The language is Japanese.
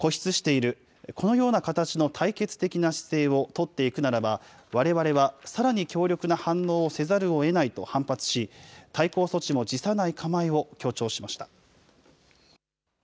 このような形の対決的な姿勢を取っていくならば、われわれはさらに強力な反応をせざるをえないと反発し、対抗措置も辞さない構えを強調しました。